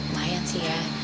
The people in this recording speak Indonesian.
mayat sih ya